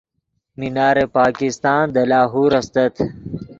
مینار پاکستان دے لاہور استت